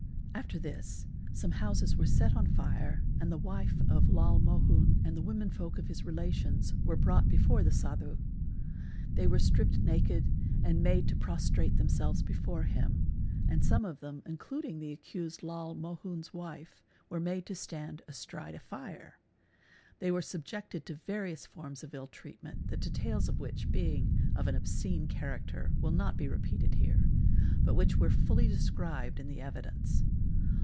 After this some houses were set on fire ~ and the wife of Lal Mohun and the women folk of his relations were brought before the Sadhu. They were stripped naked and made to pros trate themselves before him, and some of them, including the accused Lal Mohun's wife, were made to stand astride a fire. They were subjected to various forms of ill treatment, the details of which being of an obscene character are not repeated here, but which were fully described in the evidence.